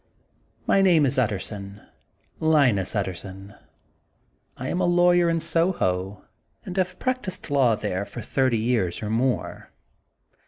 My name is Utterson, ŌĆö Linus Utterson. I am a lawyer in Soho, and have practised law th^re for thirty years or more.